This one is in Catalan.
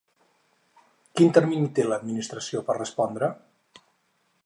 Quin termini té l'Administració per respondre?